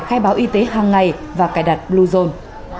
khai báo y tế hàng ngày và cài đặt blue zone